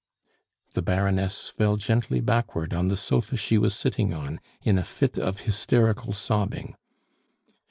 The Baroness fell gently backward on the sofa she was sitting on in a fit of hysterical sobbing.